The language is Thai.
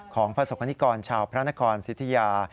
ของพระศักดิ์กรชาวพระนครสิทธิา